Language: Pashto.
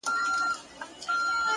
دا ستا دسرو سترگو خمار وچاته څه وركوي ـ